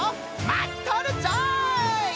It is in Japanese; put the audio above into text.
まっとるぞい！